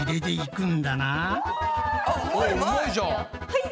はい！